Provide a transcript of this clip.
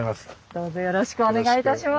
どうぞよろしくお願いいたしします。